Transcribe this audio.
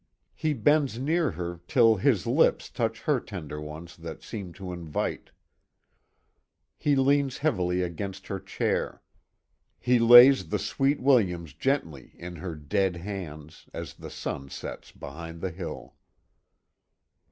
He bends near her till his lips touch her tender ones that seem to invite. He leans heavily against her chair. He lays the sweet williams gently in her dead hands, as the sun sets behind the hill.